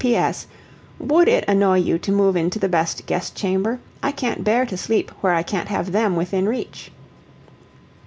"P. P. S. WOULD it annoy you to move into the best guest chamber? I can't bear to sleep where I can't have THEM within reach."